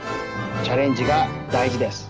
チャレンジがだいじです。